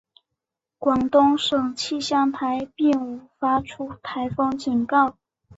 广东省气象台并无发出台风警告。